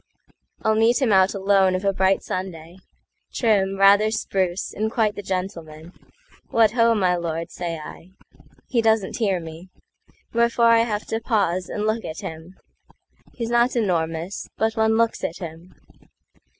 I'll meet him out alone of a bright Sunday, Trim, rather spruce, and quite the gentleman."What ho, my lord!" say I. He doesn't hear me; Wherefore I have to pause and look at him. He's not enormous, but one looks at him.